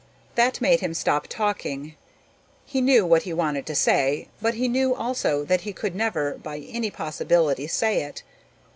That made him stop talking. He knew what he wanted to say, but he knew also that he could never by any possibility say it.